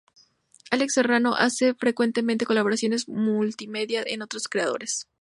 Àlex Serrano hace frecuentemente colaboraciones multimedia con otros creadores.